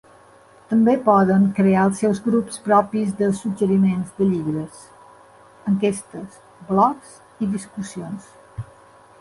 També poden crear els seus grups propis de suggeriments de llibres, enquestes, blogs i discussions.